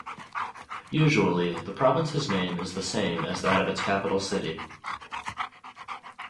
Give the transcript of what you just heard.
Usually, the province's name is the same as that of its capital city.